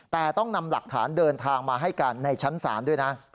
แต่ต้องนำหลักฐานเดินทางมาให้การในชั้นศาลด้วยนะ